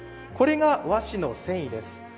これが和紙の繊維です。